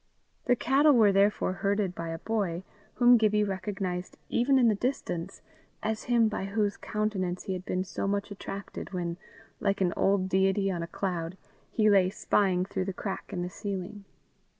The cattle were therefore herded by a boy, whom Gibbie recognized even in the distance as him by whose countenance he had been so much attracted when, like an old deity on a cloud, he lay spying through the crack in the ceiling.